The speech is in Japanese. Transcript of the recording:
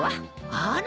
あら。